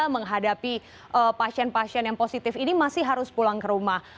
menghadapi pasien pasien yang positif ini masih harus pulang ke rumah